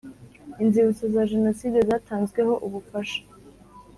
Inzibutso za Jenoside zatanzweho ubufasha